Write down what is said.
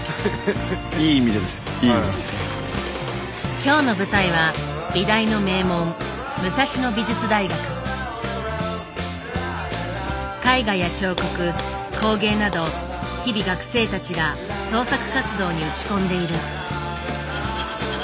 今日の舞台は美大の名門絵画や彫刻工芸など日々学生たちが創作活動に打ち込んでいる。